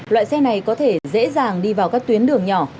loại xe này có thể dễ dàng đi vào các tuyến đường nhỏ